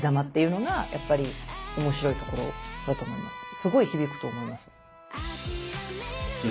すごい響くと思います。